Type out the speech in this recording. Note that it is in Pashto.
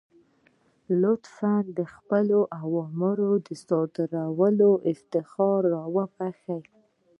لطفا د خپلو اوامرو د صادرولو افتخار را وبخښئ.